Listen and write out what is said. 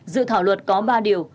dự thảo luật có ba điều